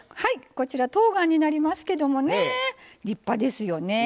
とうがんになりますけども立派ですよね。